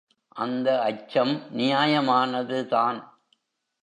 அந்த அச்சம் நியாயமானதுதான்.